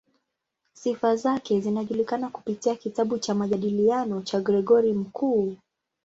Sifa zake zinajulikana kupitia kitabu cha "Majadiliano" cha Gregori Mkuu.